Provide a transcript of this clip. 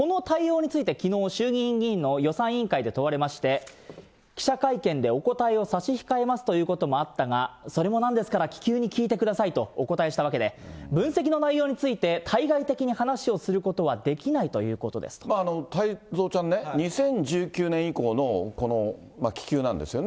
きのう、衆議院議院の予算委員会で問われまして、記者会見でお答えを差し控えますといったこともありましたが、それもなんですから、気球に聞いてくださいとお答えしたわけで、分析の内容について対外的に話をすることはできないということで太蔵ちゃんね、２０１９年以降のこの気球なんですよね。